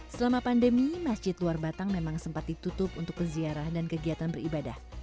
selama pandemi masjid luar batang memang sempat ditutup untuk peziarah dan kegiatan beribadah